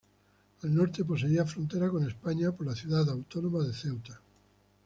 Al norte poseía frontera con España, por la ciudad autónoma de Ceuta.